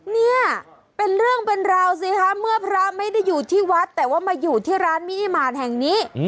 เนี่ยเป็นเรื่องเป็นราวสิคะเมื่อพระไม่ได้อยู่ที่วัดแต่ว่ามาอยู่ที่ร้านมินิมารแห่งนี้